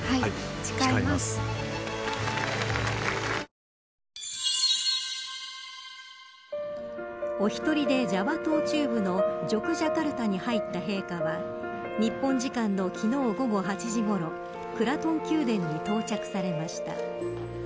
お申込みはお一人でジャワ島中部のジョクジャカルタに入った陛下は日本時間の昨日午後８時ごろクラトン宮殿に到着されました。